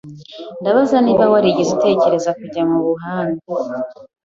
Ndabaza niba warigeze utekereza kujya mubuhanga.